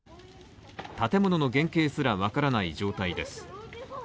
建物の原型すらわからない状態です。